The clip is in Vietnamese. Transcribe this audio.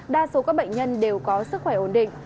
đa số các bệnh nhân đều có sức khỏe ổn định